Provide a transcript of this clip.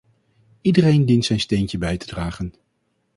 Iedereen dient zijn steentje bij te dragen.